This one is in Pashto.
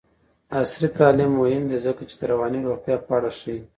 عصري تعلیم مهم دی ځکه چې د رواني روغتیا په اړه ښيي.